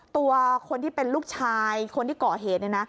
ตัวคนที่เป็นลูกชายคนที่ก่อเหตุเนี่ยนะ